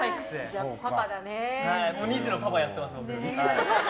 ２児のパパやってます。